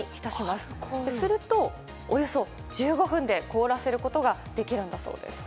するとおよそ１５分で凍らせることができるんだそうです。